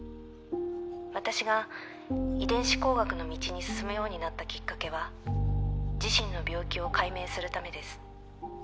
私が遺伝子工学の道に進むようになったきっかけは自身の病気を解明するためです。